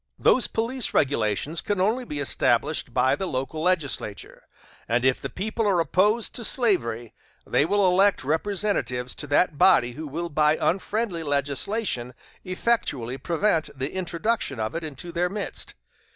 Those police regulations can only be established by the local legislature, and if the people are opposed to slavery they will elect representatives to that body who will by unfriendly legislation effectually prevent the introduction of it into their midst.